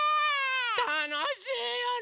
たのしいよね。